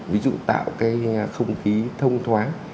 ví dụ tạo cái không khí thông thoáng